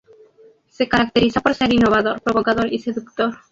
Se caracterizó por ser innovador, provocador y seductor.